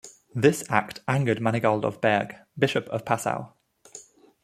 This act angered Manegold of Berg, Bishop of Passau.